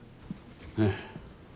ええ。